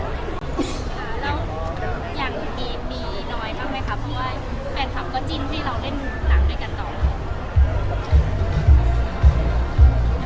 อย่างมีนอยบ้างไหมครับเพราะว่าแฟนคับก็จิ้นให้เราเล่นหนังด้วยกันต่อ